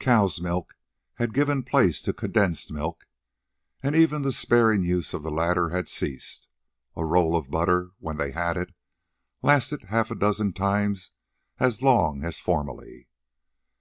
Cow's milk had given place to condensed milk, and even the sparing use of the latter had ceased. A roll of butter, when they had it, lasted half a dozen times as long as formerly.